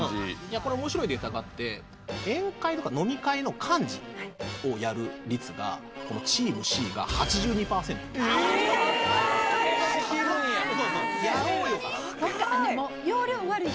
これ面白いデータがあって宴会とか飲み会の幹事をやる率がこのチームＣが８２％分かるわー